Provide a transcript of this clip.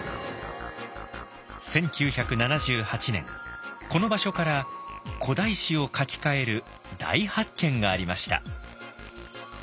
１９７８年この場所から古代史を書き換える大発見がありました。